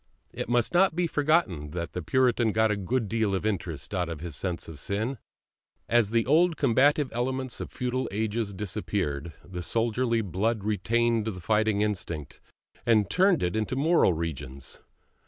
It must not be forgotten that the Puritan got a good deal of interest out of his sense of sin; as the old combative elements of feudal ages disappeared, the soldierly blood retained the fighting instinct, and turned it into moral regions.